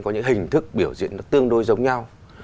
có những hình thức biểu diễn nó tương đối giống nhau